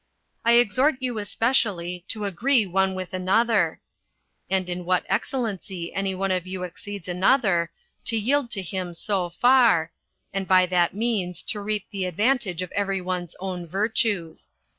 I exhort you, especially, to agree one with another; and in what excellency any one of you exceeds another, to yield to him so far, and by that means to reap the advantage of every one's own virtues.